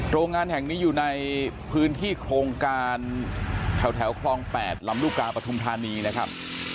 โรงงานแห่งนี้อยู่ในพื้นที่โครงการแถวคลอง๘ลำลูกกาปฐุมธานีนะครับ